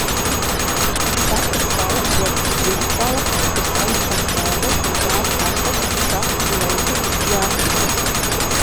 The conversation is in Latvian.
Sakas sala jeb Vidsala ir sala starp Daugavu un tās atteku Saku lejpus Jēkabpils.